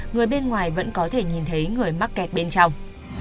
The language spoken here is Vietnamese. người bên ngoài vẫn có thể nhìn thấy người mắc kẹt bên trong